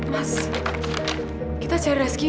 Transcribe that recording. mas kita cari reski mas